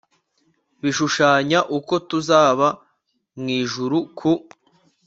bishushanya uko tuzaba mu ijuru ku